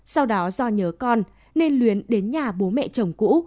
sau đó do nhớ con nên luyến đến nhà bố mẹ chồng cũ